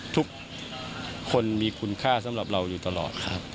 ทุกคนมีคุณค่าสำหรับเราอยู่ตลอดครับ